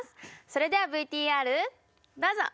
それではＶＴＲどうぞ！